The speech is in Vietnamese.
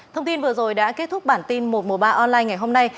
thông tin vừa rồi đã kết thúc bản tin một trăm một mươi ba online ngày hôm nay